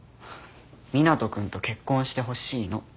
湊斗君と結婚してほしいの。